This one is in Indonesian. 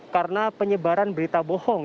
karena penyebaran berita bohong